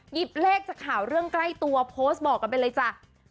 ิบเลขจากข่าวเรื่องใกล้ตัวโพสต์บอกกันไปเลยจ้ะ